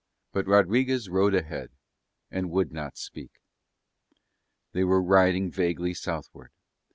But Rodriguez rode ahead and would not speak. They were riding vaguely southward.